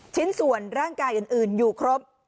ชิ้นส่วนร่างกายอื่นอยู่ครบ